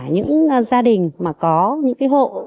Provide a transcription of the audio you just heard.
những gia đình mà có những cái hộ